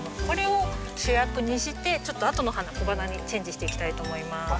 これを主役にしてちょっとあとの花小花にチェンジしていきたいと思います。